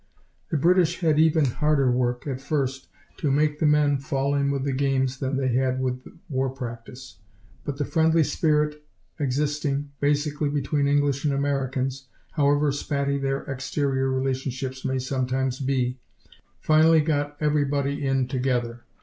The British had even harder work, at first, to make the men fall in with the games than they had with war practice. But the friendly spirit existing basically between English and Americans, however spatty their exterior relationships may sometimes be, finally got everybody in together.